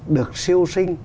được siêu sinh